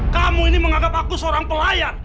kamu ini menganggap aku seorang pelayan